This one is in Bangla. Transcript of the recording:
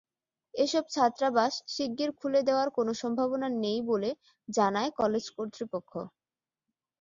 এসব ছাত্রাবাস শিগগির খুলে দেওয়ার কোনো সম্ভাবনা নেই বলে জানায় কলেজ কর্তৃপক্ষ।